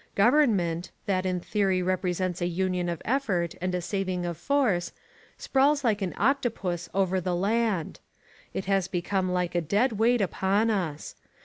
Government, that in theory represents a union of effort and a saving of force, sprawls like an octopus over the land. It has become like a dead weight upon us.